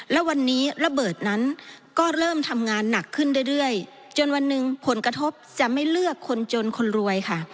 และวันนี้ระเบิดนั้นก็เริ่มทำงานหนักขึ้นเรื่อยจนวันหนึ่งผลกระทบจะไม่เลือกคนจนคนรวยค่ะ